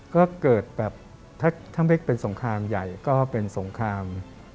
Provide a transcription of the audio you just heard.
ก็เกิดแบบถ้าไม่เป็นสงครามใหญ่ก็เป็นสงคราม